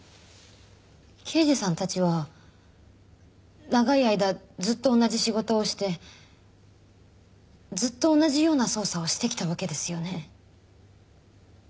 刑事さんたちは長い間ずっと同じ仕事をしてずっと同じような捜査をしてきたわけですよね？